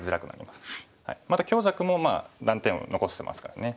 また強弱も断点を残してますからね。